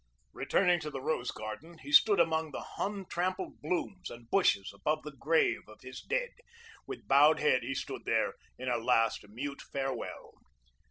Returning to the rose garden, he stood among the Hun trampled blooms and bushes above the grave of his dead with bowed head he stood there in a last mute farewell.